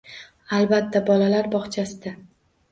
Albatta, bolalar bog‘chasida